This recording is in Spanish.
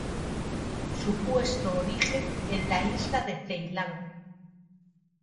Supuesto origen en la isla de Ceilán.